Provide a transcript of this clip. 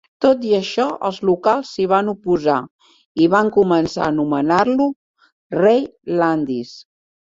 Tot i això, els locals s'hi van oposar i van començar a anomenar-lo "rei Landis".